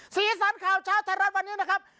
สีสันข่าวเช้าไทยรัฐวันนี้นะครับ